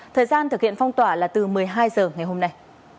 thời gian thực hiện phong tỏa là từ một mươi hai h ngày hôm nay